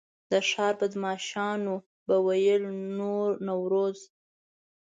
د ښار بدمعاشانو به ویل نوروز.